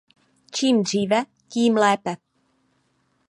Čím dříve, tím lépe.